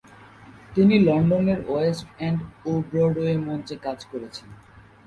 তিনি লন্ডনের West End ও ব্রডওয়ে মঞ্চে কাজ শুরু করেন।